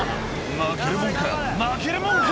「負けるもんか負けるもんか」